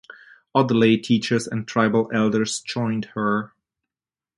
Other lay teachers and tribal elders joined her.